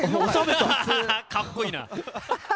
かっこいいな。